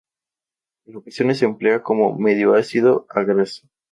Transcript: En ocasiones se emplea como medio ácido agraz.